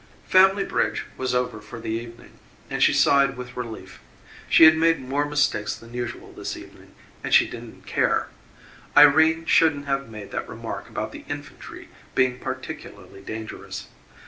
Family bridge was over for the evening and she sighed with relief. She had made more mistakes than usual this evening and she didn't care. Irene shouldn't have made that remark about the infantry being particularly dangerous.